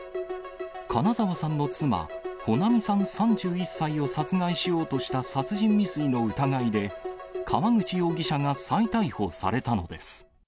金沢さんの妻、穂奈美さん３１歳を殺害しようとした殺人未遂の疑いで、川口容疑者が再逮捕されたのです。